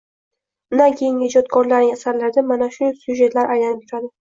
Ulardan keyingi ijodkorlarning asarlarida mana shu syujetlar aylanib yuradi.